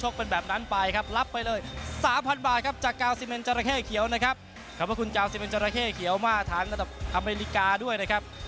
ขอบคุณคุณเจ้าซิเป็นเจ้าระเข้เขียวมาทางระดับอเมริกาด้วยนะครับ